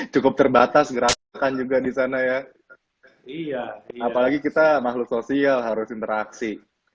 cukup terbatas gerakan juga di sana ya iya apalagi kita makhluk sosial harus interaksi